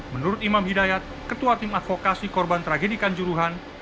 menurut imam hidayat ketua tim advokasi korban tragedikan juruhan